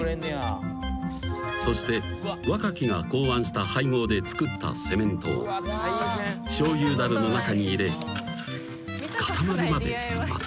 ［そして若木が考案した配合で作ったセメントをしょうゆだるの中に入れ固まるまで待つ］